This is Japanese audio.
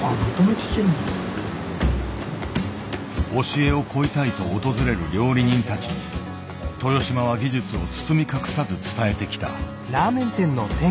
教えを請いたいと訪れる料理人たちに豊島は技術を包み隠さず伝えてきた。